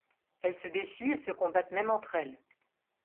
Elles se défient et se combattent même entre elles.